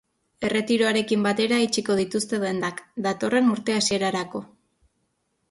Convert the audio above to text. Erretiroarekin batera itxiko dituzte dendak, datorren urte hasierarako.